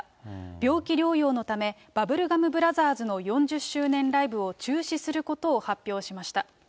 病気療養のため、バブルガムブラザーズの４０周年ライブを中止することを発表しました。